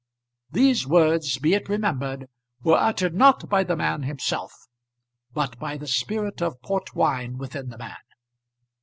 These words, be it remembered, were uttered not by the man himself, but by the spirit of port wine within the man.